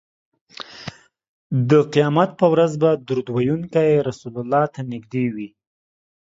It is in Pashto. د قیامت په ورځ به درود ویونکی رسول الله ته نږدې وي